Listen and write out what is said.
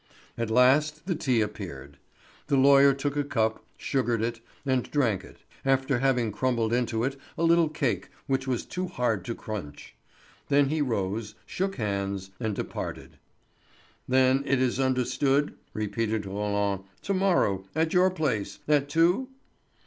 At last the tea appeared. The lawyer took a cup, sugared it, and drank it, after having crumbled into it a little cake which was too hard to crunch. Then he rose, shook hands, and departed. "Then it is understood," repeated Roland. "To morrow, at your place, at two?"